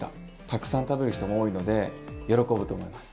たくさん食べる人も多いので喜ぶと思います。